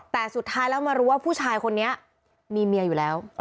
แต่สุดท้ายแล้วมารู้ว่าผู้ชายคนนี้มีเมียอยู่แล้ว